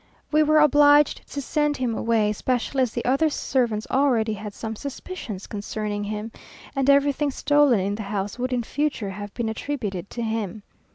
We were obliged to send him away, especially as the other servants already had some suspicions concerning him; and everything stolen in the house would in future have been attributed to him.